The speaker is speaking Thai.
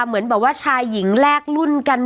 เหมือนแบบว่าชายหญิงแลกรุ่นกัน